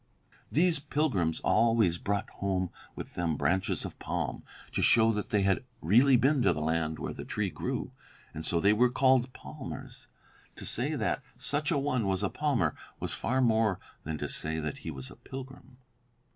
These pilgrims always brought home with them branches of palm, to show that they had really been to the land where the tree grew; and so they were called palmers. To say that such a one was a palmer was far more than to say that he was a pilgrim."